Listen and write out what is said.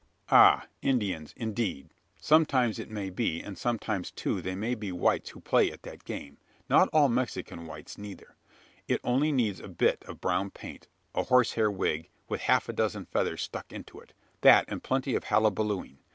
"Ah Indians, indeed! Sometimes it may be; and sometimes, too, they may be whites who play at that game not all Mexican whites, neither. It only needs a bit of brown paint; a horsehair wig, with half a dozen feathers stuck into it; that, and plenty of hullabalooing.